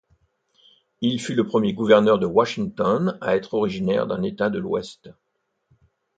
Il fut le premier gouverneur de Washington à être originaire d'un État de l'Ouest.